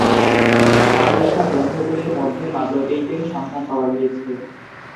তার লেখা গ্রন্থগুলির মধ্যে মাত্র তিনটির সন্ধান পাওয়া গিয়েছে।